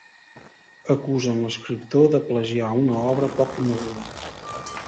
Acusen l'escriptor de plagiar una obra poc coneguda.